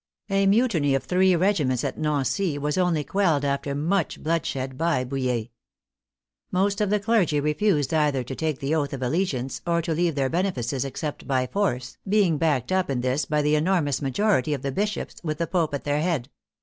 A mutiny of three regiments, at Nancy, was only quelled after much blood shed by Bouille. Most of the clergy refused either to take the oath of allegiance or to leave their benefices except by force, being backed up in this by the enormous majority of the bishops with the Pope at their head.